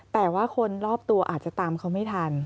แต่ว่าคนรอบตัวอาจจะตามเขาไม่ทัน